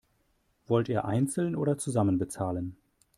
Wollt ihr einzeln oder zusammen bezahlen?